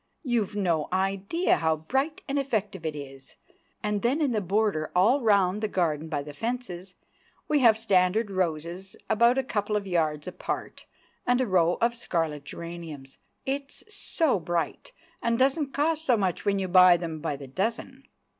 You've no idea how bright and effective it is. And then in the border all round the garden by the fences, we have standard roses about a couple of yards apart, and a row of scarlet geraniums. It's so bright, and doesn't cost so much when you buy them by the dozen.